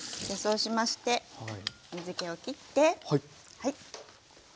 そうしまして水けをきってはい。